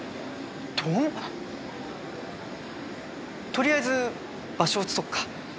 鈍とりあえず場所移そっか。